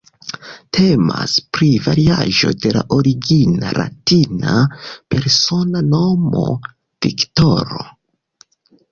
Temas pri variaĵo de la origine latina persona nomo "Viktoro".